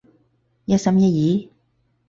一心一意？